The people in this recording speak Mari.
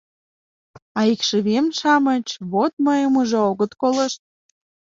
А икшывем-шамыч вот мыйым уже огыт колышт...